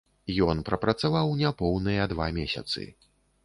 Ён прапрацаваў няпоўныя два месяцы.